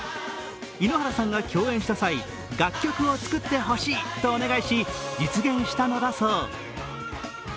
井ノ原さんが共演した際、楽曲を作ってほしいとお願いし実現したのだそう。